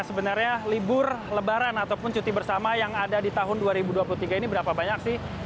sebenarnya libur lebaran ataupun cuti bersama yang ada di tahun dua ribu dua puluh tiga ini berapa banyak sih